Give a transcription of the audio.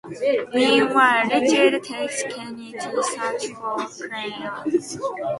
Meanwhile, Richard takes Kenny to search for Claire.